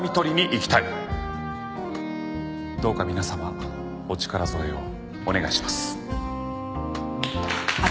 どうか皆様お力添えをお願いします。